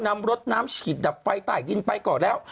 นำรถน้ำฉีดดับไฟใต้ดินไปก่อนแล้ว